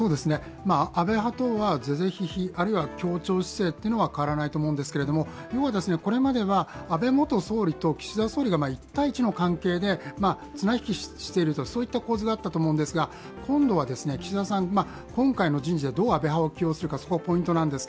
安倍派とは是々非々、協調姿勢は変わらないと思うんですがこれまでは安倍元総理と岸田総理が一対一の関係で綱引きしているといった構図があったと思うんですが今度は岸田さん、今回の人事でどう安倍派を起用するか。